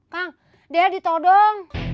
kang dia ditodong